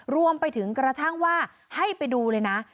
รวมไปถึงกระทั่งว่าให้ไปดูเลยนะ